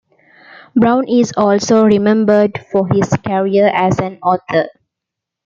Brown is also remembered for his career as an author.